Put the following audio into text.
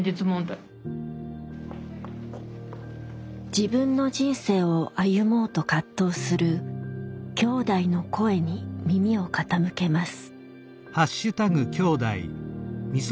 自分の人生を歩もうと葛藤するきょうだいの声に耳を傾けます。